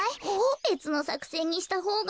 べつのさくせんにしたほうが。